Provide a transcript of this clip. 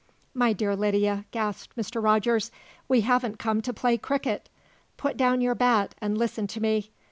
"My dear Lydia," gasped Mr. Rogers, "we haven't come to play cricket! Put down your bat and listen to me.